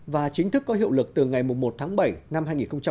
và chính thức có hiệu lực từ ngày một tháng bảy năm hai nghìn một mươi sáu